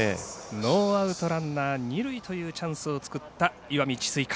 ノーアウト、ランナー二塁というチャンスを作った石見智翠館。